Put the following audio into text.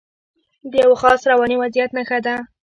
د یوه خاص رواني وضعیت نښه ده.